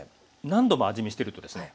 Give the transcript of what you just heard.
何度も味見してるとですね